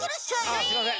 あすいません。